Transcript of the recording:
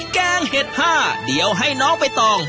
แกงเห็ดผ้าเดี๋ยวให้น้องใบตอง